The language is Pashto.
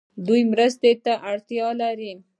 دوی مرستو ته اړتیا لري.